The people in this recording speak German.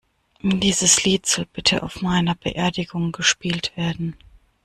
Dieses Lied soll bitte auf meiner Beerdigung gespielt werden.